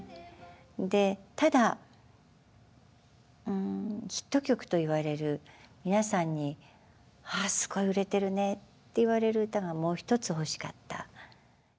でただヒット曲と言われる皆さんに「ああすごい売れてるね」って言われる歌がもうひとつ欲しかった。